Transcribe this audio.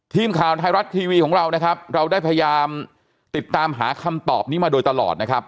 ทีมข่าวไทยรัฐทีวีของเรานะครับเราได้พยายามติดตามหาคำตอบนี้มาโดยตลอดนะครับ